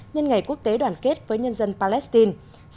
nhân ngày quốc tế đoàn kết với nhân dân palestine